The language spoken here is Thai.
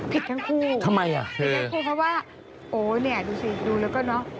ผิดทั้งคู่เพราะว่าโอ๊ยเนี่ยดูสิดูแล้วก็เนอะ